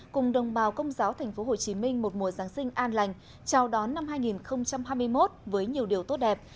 cùng đồng bào công giáo tp hcm một mùa giáng sinh an lành chào đón năm hai nghìn hai mươi một với nhiều điều tốt đẹp